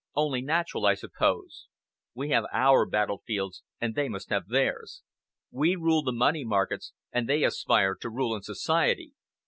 Only natural, I suppose. We have our battlefields and they must have theirs. We rule the money markets, and they aspire to rule in society.